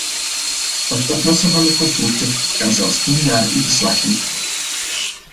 Het oplossen van de conflicten kan zelfs tien jaar in beslag nemen.